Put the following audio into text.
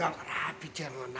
ピッチャーやもんな。